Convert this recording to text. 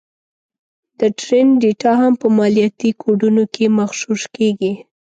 د ټرینډ ډېټا هم په مالياتي کوډونو کې مغشوش کېږي